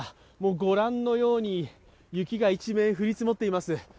ご覧のように雪が一面降り積もっています。